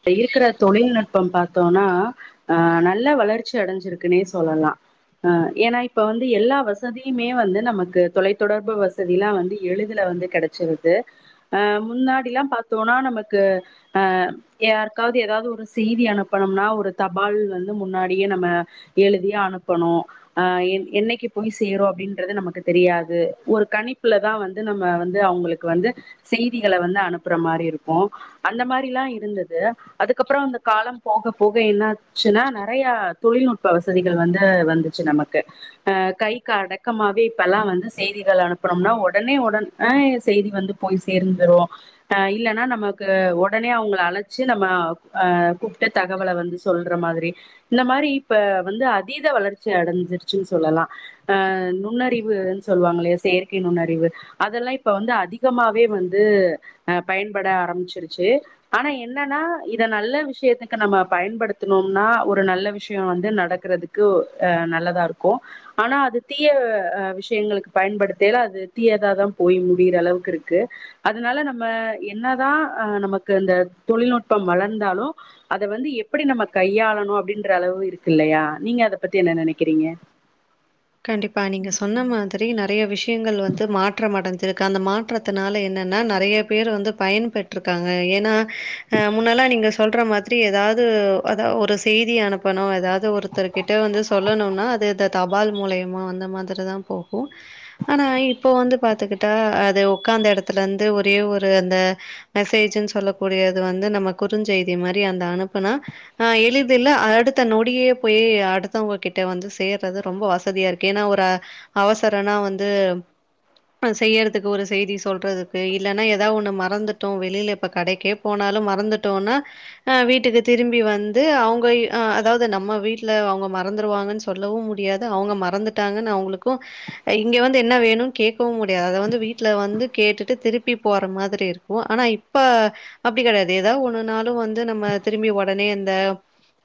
இப்ப இருக்கிற தொழில்நுட்பம் பாத்தோனா அ நல்ல வளர்ச்சி அடைஞ்சிருக்குன்னே சொல்லலா ஆ ஏனா இப்ப வந்து எல்லா வசதியுமே வந்து நமக்கு தொலைத்தொடர்பு வசதிலா வந்து எழுதில வந்து கெடச்சிருது அ முன்னாடி எல்லா பாத்தோம்னா நமக்கு ஆ யாருக்காவது ஏதாவது ஒரு செய்தி அனுப்பனும்னா ஒரு தபால் வந்து முன்னாடியே நம்ம எழுதி அனுப்பனு அ என் என்னைக்கு போய் சேரு அப்படின்றது நமக்கு தெரியாது ஒரு கணிப்புலதா வந்து நம்ம வந்து அவங்களுக் வந்து செய்திகள வந்து அனுப்புற மாரி இருக்கு அந்த மாரி டிலா இருந்தது அதுக்கப்பற அந்த காலம் போகப்போக என்னாச்சுனா நெறைய தொழில்நுட்ப வசதிகள் வந்து வந்துச்சு நமக்கு அ கைக்கு அடக்கமாவே இப்ப எல்லா வந்து செய்திகள் அனுப்பனுனா வொடனே வொடன் ஆ செய்தி வந்து போய் சேர்ந்துரு அ இல்லன்னா நமக்கு ஒ ஒடனே அவங்கள அழச்சு நம்மோ அ கூப்டு தகவல வந்து சொல்ற மாதிரி இந்த மாரி இப்ப வந்து அதீத வளர்ச்சி அடைஞ்சிருச் சின் சொல்லலா அ நுண்ணறிவுனு சொல்லுவாங்கள்லயா செயற்கை நுண்ணறிவு அதெல்லா இப்ப வந்து அதிகமாவே வந்து அ பயன்பட ஆரம்பிச்சிரு ச்சே ஆனா என்னனா இத நல்ல விஷ்யத்துக்கு நம்ம பயன்படுத்துனோம்னா ஒரு நல்ல விஷ்ய வந்து நடக்குறதுக் கு அ நல்லதா இருக்கு ஆனா அது தீய ஆ விஷ்யங்களுக்கு பயன்படுத்தல அது தீயதாதா போய் முடியிற அளவுக்கு இருக்கு அதுனால நம்ம என்னதா அ நமக்கு அந்த தொழில்நுட்பம் வளந்தாலு அத வந்து எப்படி நம்ம கையாளணு அப்டின்ற அளவு இருக்கு இல்லயா நீங்க அத பத்தி என்ன நெனக்கிறீங்க கண்டிப்பா நீங்க சொன்ன மாதிரி நெறைய விஷ்யங்கள் வந்து மாற்றம் அடஞ்சு ருக்கு அந்த மாற்றத்தனால என்னன்னா நெறைய பேர் வந்து பயன்பெற்ருக்காங்க ஏனா ஆ முன்னெல்லாம் நீங்க சொல்ற மாதிரி எதாது அதா ஒரு செய்தி அனுப்பணு எதாவது ஒரு ருத்தர்கிட்ட வந்து சொல்லணுனா அது இத்த தபால் மூலயமா அந்த மாதிரிதா போகு ஆனா இப்போ வந்து பாத்துக்கிட்டா அது ஒக்காந்த எடத்துலந்து ஒரே ஒரு அந்த மெசேஜின்னு சொல்ல கூடியது வந்து நம்ம குறுஞ்செய்தி மாரி அந்த அனுப்புனா ஆ எளிதில்ல அடுத்த நொடியே பொயி அடுத்தவங்க கிட்ட வந்து சேர்றது ரொம்ப வசதியா இருக்கே ஏனா ஒரு அவசரனா வந்து ஆ செய்யறதுக்கு ஒரு செய்தி சொல்றதுக்கு இல்லன்னா ஏதா ஒன்னு மறந்துட்டோ வெளில இப்போ கடைக்கே போனாலு மறந்துட்டோன்னா அ வீட்டுக்கு திரும்பி வந்து அவுங்க எ அதாது நம்ம வீட்ல அவுங்க மறந்துருவாங்கன் சொல்லவு முடி முடியாது அவுங்க மறந்துட்டாங்கன் அவுங்களுக்கு இங்க வந்து என்ன வேணு கேக்கவு முடியாது அத வந்து வீட்ல வந்து கேட்டுட்டு திருப்பி போற மாதிரி இருக்கு போ ஆனா இப்ப அப்டி கெடையாது எதாவது ஒண்ணு நாலு வந்து நம்ம திரும்பி ஒடனே அந்த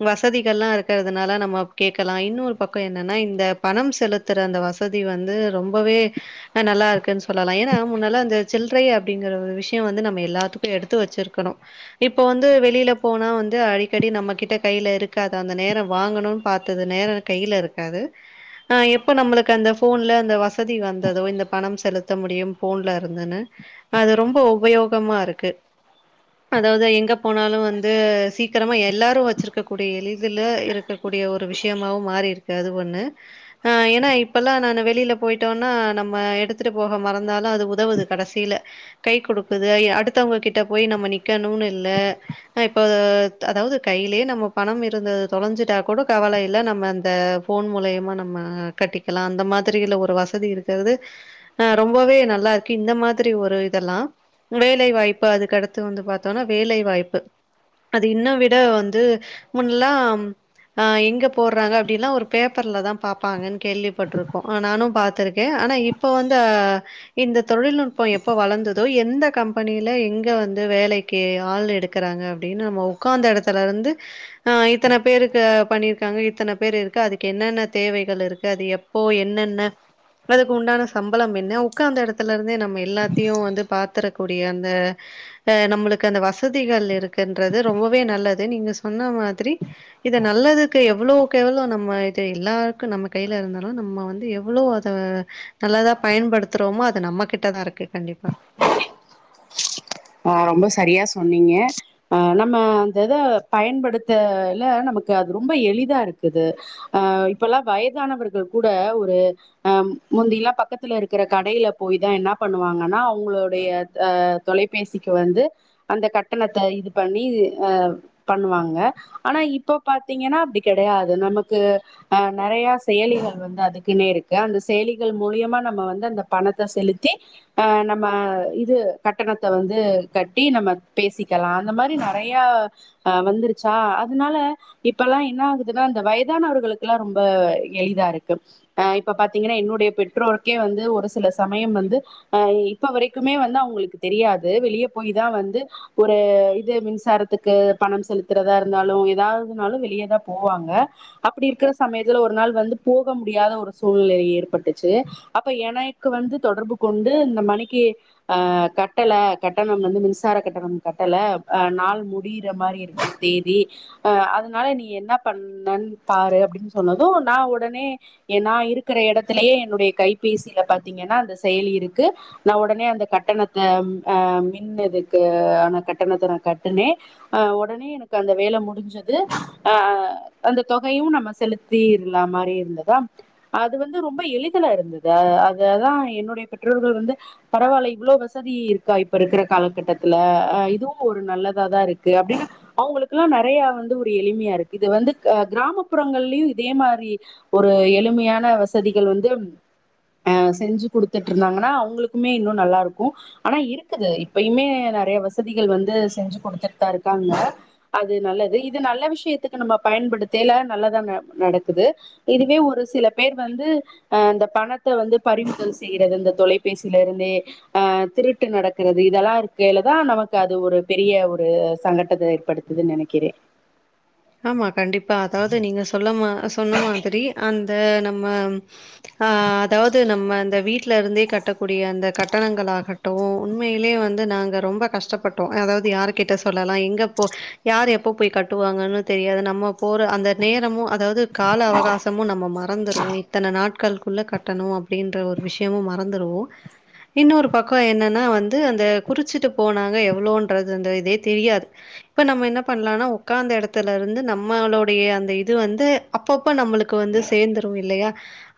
வசதிகள்லா இருக்கறதுனால நம்ம கேக்கலா இன்னொரு பக் இப்ப என்னனா இந்த பணம் செலுத்துற அந்த வசதி வந்து ரொம்பவே அ நல்லா இருக்குன் சொல்லலா ஏனா முன்னலா அந்த சில்றய அப்டிங்கற ஒரு விஷ்ய வந்து நம்ம எல்லாத்துக்கு எடுத்து வெச்சிருக்கணு இப்ப வந்து வெளில போனா வந்து அடிக்கடி நம்ம கிட்ட கைல இருக்காது அந்த நேர வாங்கணு பாத்தது நேரா கையில இருக் இருக்காது ஆ எப்ப நம்மளுக்கு அந்த ஃபோன்ல அந்த வசதி வந்ததோ இந்த பணம் செலுத் த்த முடியும் ஃபோன்ல இருந்துன்னு அது ரொம்ப உபயோகமா இருக்கு அதாவ்து எங்க போனாலு வந்து சீக்கரமா எல்லாரு வச்சிருக்க கூடிய எளிதுல இருக்கக் கூடிய ஒரு விஷ்யமாவு மாறிருக் கு அது ஒன்னு ஆ ஏனா இப்பல்லா நானு வெளில போயிட்டோனா நம்ம எடுத் துட்டு போக மறந்தாலு அது உதவுது கடசில கை குடுக்குது ஐ அடுத்தவ்ங்க கிட்ட போய் நம்ம நிக்கணுனு இல்ல ஆ இப்பத் அதாவ்து கையிலே நம்ம பணம் இருந்தது தொலஞ்சிட்டா கூட கவல இல்ல நம்ம அந்த ஃபோன் மூலயமா நம்ம கட்டிக்கலா அந்த மாதிரியில ஒரு வசதி இருக்கறது ஆ ரொம்பவே நல்லாருக்கு இந்த மாதிரி ஒரு இதெல்லா வேலை வாய்ப்பு அதுக்கடுத்து வந்து பாத்தோனா வேலை வாய்ப்பு அது இன்ன விட வந்து முன்லாம் ஆ எங்க போட்றாங்க அப்டில்லா ஒரு பேப்பர்ல தா பாப்பாங்கன் கேள்விப்பட்ருக்கோ ஆ நானு பாத்துருக்கே ஆனா இப்போ வந்து இந்த தொழில்நுட்ப எப்ப வளந்ததோ எந்த கம்பெனில எங்க வந்து வேலை க்கி ஆள் எடுக்குறாங்க அப்டின்னு நம்ம ஒக்காந்த எடத்துல இருந்து ஆ இத்தன பேருக்கு பண்ணிருக்காங்க இத்தன பேரு இருக்கு அதுக் க்கு என்னென்ன தேவைகள் இருக்கு அது எப்போ என்னென்ன அதுக்கு உண்டான சம்பளம் என்ன உக்காந்த எடத் த்துல இருந்தே நம்ம எல்லாத்தையு வந்து பாத்துரக்கூடிய அந்த அ நம்மளுக்கு அந்த வசதிகள் இருக்குன்றது ரொம்பவே நல்லது நீங்க சொன்ன மாதிரி இத நல்லதுக்கு எவ்ளோக்கு எவ்ளோ நம்ம சே எல்லாருக்கு நம்ம கைல இருந்தாலு நம்ம வந்து எவ்ளோ அத நல்லதா பயன்படுத்துறோமோ அது நம்ம கிட்டதா இருக்கு கண்டிப்பா ஆ ரொம்ப சரியா சொன்னீங்க அ நம்ம அந்த இத பயன்படுத்த இல்ல நமக்கு அது ரொம்ப எளிதா இருக்குது ஆ இப்பெல்லா வயதானவர்கள் கூட ஒரு அ முந்திலா பக்கத்துல இருக்குற கடையில போய் தா என்ன பண்ணுவாங்கனா உங்களுடைய அ தொலைபேசிக்கு வந்து அந்த கட்டணத்த இது பண்ணி அ பண்ணுவாங்க ஆனா இப்ப பாத்தீங்கனா அப்டி கெடையாது நமக்கு அ நெறையா செயலிகள் வந்து அதுக்குன்னே இருக்கு அந்த செயலிகள் மூலியமா நம்ம வந்து அந்த பணத்த செலுத்தி ஆ என்னப் ம இது கட்டணத்த வந்து கட்டி நம்ம பேசிக்கலா அந்த மாரி நெறையா அ வந்துருச்சா அதனால இப்பலா என்ன ஆகுதுனா இந்த வயதானவர்களுக்குலா ரொம்ப எளிதா இருக்கு அ இப்ப பாத்தீங்கனா என்னுடைய பெற்றோருக்கே வந்து ஒரு சில சமயம் வந்து அ இ இப்ப வரைக்குமே வந்து அவுங்களுக்கு தெரியாது வெளிய போய் தா வந்து ஒரு இது மின்சாரத்துக்கு பணம் செலுத்துறதா இருந்தாலு எதாவதுனாலு வெளியதா போவாங்க அப்டி இருக்கிற சமயத்துல ஒரு நாள் வந்து போக முடியாத ஒரு சூழ்நிலை ஏற்பட்டுச்சு அப்ப எனக்கு வந்து தொடர்பு கொண்டு இந்த மனைக்கு அ கட்டல கட்டணம் வந்து மின்சார கட்டணம் கட்டல அ நாள் முடியிற மாரி இருக்கு தேதி அ அதனால நீ என்ன பண்ணன் பாரு அப்டின் சொன்னது நா ஒடனே எ நா இருக்குற எடத்துலயே என்னுடைய கைபேசில பாத்தீங்கனா அந்த செயலி இருக்கு நா உடனே அந்த கட்டணத்த ஆ மின் இதுக்கு ஆன கட்டணத்த நா கட்டுனே அ உடனே எனக்கு அந்த வேல முடிஞ்சது அ அந்த தொகையு நம்ம செலுத்தீர்ல மாரி இருந்ததா அது வந்து ரொம்ப எளிதுல இருந்தது அ அததா என்னுடைய பெற்றோர்கள் வந்து பரவால்ல இவ்ளோ வசதி இருக்கா இப்ப இருக்கிற காலகட்டத்துல அ இதுவு ஒரு நல்லதாதா இருக்கு அப்டின்னு அவுங்களுக்குல்லா நெறைய வந்து ஒரு எளிமையா இருக்கு இது வந்து க் க்ராமப்புறங்கல்லயு இதே மாரி ஒரு எளிமையான வசதிகள் வந்து அ செஞ்சு குடுத்துட்டு இருந்தாங்கன்னா அவுங்களுக் குமே இன்னோ நல்லா இருக்கு ஆனா இருக்குது இப்பயுமே நெறைய வசதிகள் வந்து செஞ்சு குடுத்துட்டு தா இருக்காங்க அது நல்லது இது நல்ல விஷ்யத்துக்கு நம்ம பயன்படுத்தைல நல்லதா ந நடக்குது இதுவே ஒரு சில பேர் வந்து அ இந்த பணத்த வந்து பறிமுதல் செய்யிறது இந்த தொலைபேசி யில இருந்தே அ திருட்டு நடக்கிறது இதெல்லா இருக்கயில தா நமக்கு அது ஒரு பெரிய ஒரு சங்கட்டத்த ஏற் படுத்துது நெனைக்கிறே ஆமா கண்டிப்பா அதாவ்து நீங்க சொல்லமா சொன்ன மாதிரி அந்த நம்ம ஆ அதாவ்து நம்ம அந்த வீட் டுலருந்தே கட்டக்கூடிய அந்த கட்டணங்கள் ஆகட்டு உண்மையிலே வந்து நாங்க ரொம்ப கஷ்டப்பட் டோ அதாவ்து யாரு கிட்ட சொல்லலா எங்க போ யார் எப்ப போய் கட்டுவாங்கன்னு தெரியாது நம்ம போற அந்த நேரமு அதாவ்து கால அவகாசமு நம்ம மறந்துருவோ இத்தன நாட் கள் குள்ள கட்டணு அப்டின்ற ஒரு விஷ்யமு மறந்துருவோ இன்னொரு பக்ககோ என்னன்னா வந்து அந்த குறிச்சிட்டு போனாங்க எவ்வளோன்றது அந்த இதே தெரியாது இப்ப நம்ம என்ன பண்ணலாம்னா உக்காந்த எடத் த்துல இருந்து நம்மளுடைய அந்த இது வந்து அப்பப்ப நம்மளுக்கு வந்து சேந்துரு இல்லையா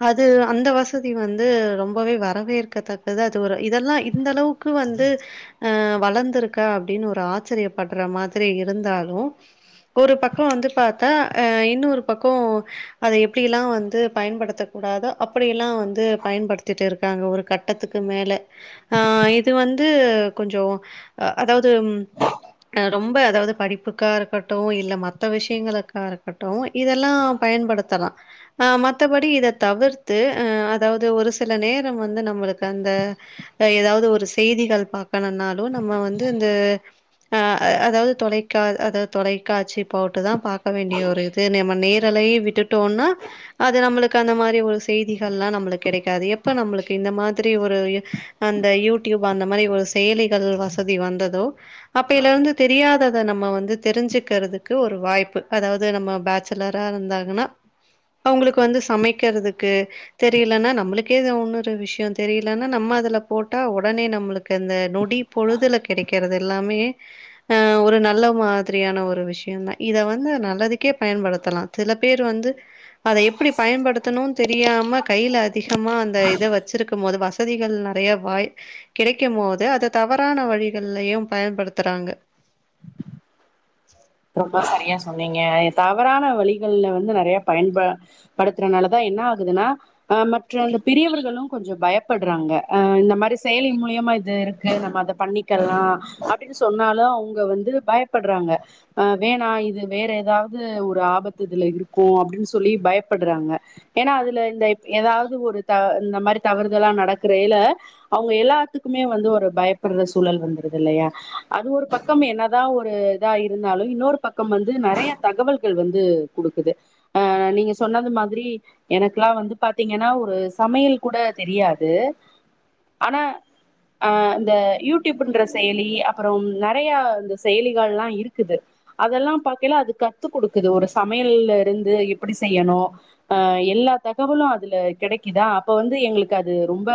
அது அந்த வசதி வந்து ரொம்பவே வரவேற்கத்தக்கது அது ஒரு இதெல்லா இந்த அளவு க்கு வந்து அ வளந்திருக்க அப்டின்னு ஒரு ஆச்சரியப்படுற மாதிரி இருந்தாலு ஒரு பக்கோ வந்து பாத்தா ஆ இன்னொரு பக்கோ அத எப்படியெல்லா வந்து பயன்படுத்தக் கூடாதோ அப்டியெல்லா வந்து பயன்படுத்திட்டு இருக்காங்க ஒரு கட் ட்டத்துக்கு மேல ஆ இது வந்து கொஞ்சோ அ அதாவ்து அ ரொம்ப அதாவ்து படிப்புக்கா இருக்கட் டு இல்ல மத்த விஷ்யங்களுக்கா இருக்கட்டு இதெல்லா பயன்படுத்தலா ஆ மத்தபடி இத தவிர்த்து அ அதாவ்து ஒரு சில நேரோ வந்து நம்மளுக்கு அந்த அ ஏதாவ்து ஒரு செய்திகள் பாக்கணும்னாலு நம்ம வந்து இந்த ஆ அ அதாவ்து தொலைக்கா அதாவ் தொலைக்காட்சி போட்டு தா பாக்க வேண்டிய ஒரு இதுனு நம்ம நேரலையு விட்டுட்டோனா அது நம்மளுக்கு அந்த மாரி ஒரு செய்திகல்லா நம்மளுக்கு கெடைக்காது எப்ப நம்மளுக்கு இந்த மாதிரி ஒரு இ அந்த யூடியூப் அந்த மாதிரி ஒரு செயலிகள் வசதி வந்ததோ அப்பெயிலருந்து தெரியாதத நம்ம வந்து தெரிஞ்சுக்கிறதுக்கு ஒரு வாய்ப்பு அதாவ்து நம்ம பேச்சுலரா இருந்தாங்கன்னா அவுங்களுக்கு வந்து சமைக்கிறதுக்கு தெரியலன்னா நம்மளுக்கே ஒன்னுரு விஷ்யோ தெரியலன்னா நம்ம அதுல போட்டா ஒடனே நம்மளுக்கு அந்த நொ டி பொழுதுல கெடைக்கிறது எல்லாமே அ ஒரு நல்ல மா திரியான ஒரு விஷ்யோ தா இத வந்து நல்லதுக்கே பயன்படுத்தலா சில பேர் வந்து அத எப்டி பயன்படுத்துணுனு தெரியாம கையில அதிகமா அந்த இத வச்சிருக்குமோது வச திகள் நெறைய வாய் கெடைக்குமோது அத தவறான வழிகல்லயு பயன்படுத்துறாங்க ரொம்ப சரியா சொன்னீங்க தவறான வழிகள்ல வந்து நறைய பயன்ப படுத்துறனாலதா என்ன ஆகுதுன்னா அ மற்ற அந்த பெரியவர்களு கொஞ்சோ பய ப்படுறாங்க அ இந்த மாரி செயலி மூலியமா இது இருக்கு நம்ம அத பண்ணிக்கலா அப்டின்னு சொன்னாலு அவுங்க வந்து பயப்படுறாங்க அ வேணா இது வேற எதாவது ஒரு ஆபத்து இதுல இருக்கு அப்டின்னு சொல்லி பயப்படுறாங்க ஏனா அதுல இந்த இப் ஏதாவது ஒரு த இந்த மாரி தவறுதல்லா நடக்குறையில அவுங்க எல்லாத்துக்குமே வந்து ஒரு பயப்படுற சூழல் வந்துரு இல்லையா அது ஒரு ப க்கம் என்னதா ஒரு இதா இருந்தாலு இன்னொரு பக்கம் வந்து நறைய தகவல்கள் வந்து குடுக்குது ஆ நீங்க சொன்னது மாதிரி எனக்குல்லா வந்து பாத்தீங்கன்னா ஒரு சமையல் கூட தெரியாது ஆனா அ இந்த யூடியூப்ன்ற செயலி அப்புறோம் நறையா இந்த செயலிகள்லா இருக் குது அதெல்லா பாக்கைல அது கத்து குடுக்குது ஒரு சமையல்ல இருந்து எப்புடி செய்யணு அ எல்லா தகவலு அதுல கெடைக்குதா அப்ப வந்து எங்களுக்கு அது ரொம்ப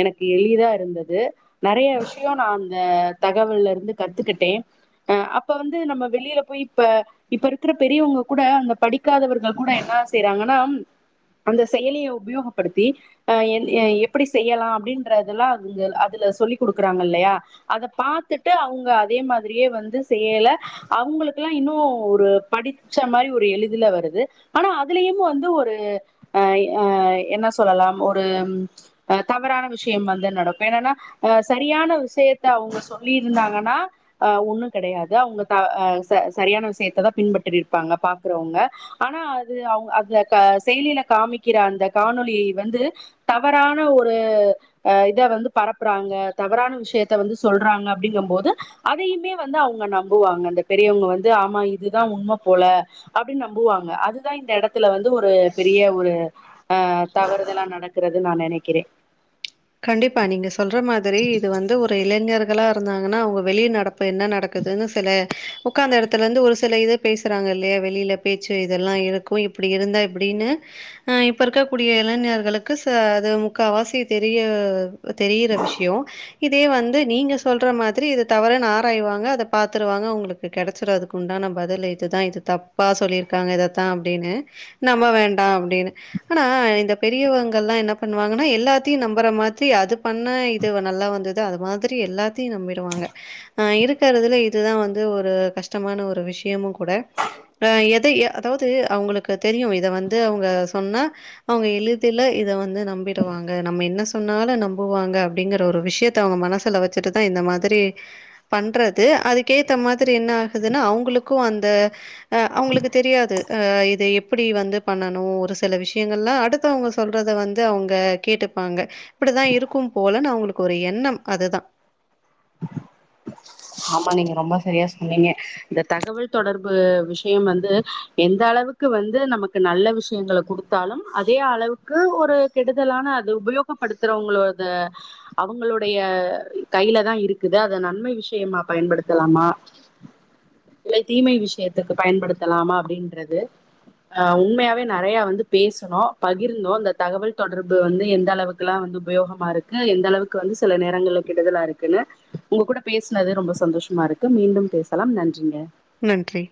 எனக்கு எளிதா இருந்தது நறைய விஷயோ நா அந்த தகவல்ல இருந்து கத்துக்கிட்டே அ அப்ப வந்து நம்ம வெளியில போய் இப்ப இப்ப இருக்குற பெரியவுங்க கூட அங்க படிக்காதவர்கள் கூட என்னா செய்றாங்கன்னா அந்த செயலிய உபயோகப்படுத்தி அ என் எ எப்படி செய்யலா அப்டின்றதெல்லா அங்க அதுல சொல்லி் குடுக்குறாங்க இல்லயா அத பாத்துட்டு அவுங்க அதே மாதிரியே வந்து செய்யல அவுங்களுக்குலா இன்னு ஒரு படிச்ச மாரி ஒரு எளிதில வருது ஆனா அதுலயும் வந்து ஒரு அ அ என்ன சொல்லலாம் ஒரு அ தவறான விஷயம் வந்து நடக்கு என்னன்னா அ சரியான விஷயத்த அவுங்க சொல்லிருந்தாங்கன்னா அ ஒண்ணு கெடையாது அவுங்க த அ ச சரியான விஷயத்த தா பின்பற்றி இருப்பாங்க பாக்குறவுங்க ஆனா அது அவுங் அது அந்த க செய்லியில காமிக்கிற அந்த காணொலி வந்து தவறான ஒரு அ இத வந்து பரப்புறாங்க தவறான விஷயத்த வந்து சொல்றாங்க அப்டிங்கம்போது அதையுமே வந்து அவுங்க நம்புவாங்க அந்த பெரியவுங்க வந்து ஆமா இதுதா உண்ம போல அப்டின் நம்புவாங்க அதுதா இந்த எடத்துல வந்து ஒரு பெரிய ஒரு அ தவறுதெல்லா நடக்குறதுனு நா நெனைக்கிறே கண்டிப்பா நீங்க சொல்ற மாதிரி இது வந்து ஒரு இளைஞர்களா இருந்தாங்கன்னா அவுங்க வெளி நடப் பு என்ன நடக்குதுன்னு சில ஒக்காந்த எடத்துல இருந்து ஒரு சில இது பேசுறாங்க இல்லையா வெளியில பேச்சு இதெல்லா இருக்கு இப்டி இருந்தா இப்டின்னு அ இப்ப இருக்கக் கூடிய இளைஞர்களுக்கு ச அது முக்காவாசி தெரிய தெரியிற விஷ்யோ இதே வந்து நீங்க சொல்ற மாதிரி இத தவறன்னு ஆராயிவாங்க அத பாத்துருவாங்க அவுங்களுக் கு கெடச்சிரு அதுக்கு உண்டான பதிலு இதுதா இது தப்பா சொல்லியிருக்காங்க இதத்தா அப்டின்னு நம்ப வேண்டா அப்டின்னு ஆனா இந்த பெரியவங்கல்லா என்ன பண்ணுவாங்கன்னா எல்லா த்தியு நம்புற மாத்தி அது பண்ணா இது வ நல்லா வந்தது அது மாதிரி எல்லாத்தையு நம்பிருவாங்க அ இருக்கறதுலே இதுதா வந்து ஒரு கஷ்டமான ஒரு விஷயமு கூட அ எதை அதாவது அவுங்களுக்கு தெரியு இத வந்து அவுங்க சொன்னா அவுங்க எளிதில இத வந்து நம்பிடுவாங் க நம்ம என்ன சொன்னாலு நம்புவாங்க அப்டிங்கிற ஒரு விஷயத்த அவுங்க மனசுல வச்சுட்டுதா இந்த மாதிரி பண்றது அதுக்கேத்த மாதிரி என்ன ஆகுதுன்னா அவுங்களுக்கு அந்த அ அவுங்களுக்கு தெரியாது அ இது எப்படி வந்து பண்ணணு ஒரு சில விஷயங்கள்ல அடுத் மித்தவங்க சொல்றத வந்து அவுங்க கேட்டுப்பாங்க இப்படிதா இருக்கும் போலனு அவங்களுக்கு ஒரு எண்ணம் அதுதா ஆமா நீங்க ரொம்ப சரியா சொன்னீங்க இந்த தகவல் தொடர்பு விஷயம் வந்து எந்த அளவுக்கு வந்து நமக்கு நல்ல விஷயங்கள குடுத் தாலும் அதே அளவுக்கு ஒரு கெடுதலான அது உபயோகப்படுத்துறவங்களோத அவங்களுடைய கையிலதா இருக்குது அத நன்மை விஷ் யமா பயன்படுத்தலாமா இல்லை தீமை விஷயத்துக்கு பயன்படுத்தலாமா அப்டின்றது அ உண்மையாவே நறைய வந்து பேசுனோ பகிர்ந்தோ இந்த தகவல் தொடர்பு வந்து எந்த அளவுக் ல்லா வந்து உபயோகமா இருக்கு எந்த அளவுக்கு வந்து சில நேரங்கள்ல கெடுதல இருக்குன்னு உங்க கூட பேச் னது ரொம்ப சந்தோஷமா இருக்கு மீண்டும் பேசலாம் நன்றிங்க நன்றி